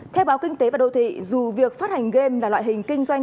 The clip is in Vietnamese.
theo báo kinh tế và đô thị dù việc phát hành game là loại hình kinh doanh